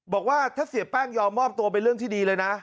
บอกว่าถ้าเสียแป้งยอมมอบตัวเป็นเรื่องที่ดีเลยนะ